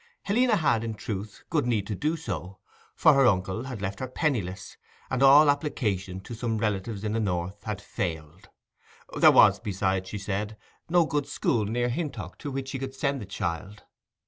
Helena had, in truth, good need to do so, for her uncle had left her penniless, and all application to some relatives in the north had failed. There was, besides, as she said, no good school near Hintock to which she could send the child.